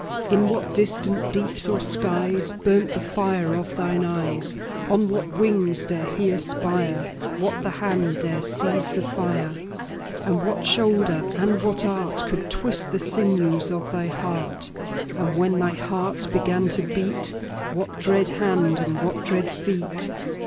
In what distant deeps or skies 5 Burnt the fire of thine eyes? On what wings dare he aspire? What the hand dare seize the fire? And what shoulder and what art Could twist the sinews of thy heart? 10 And when thy heart began to beat, What dread hand and what dread feet?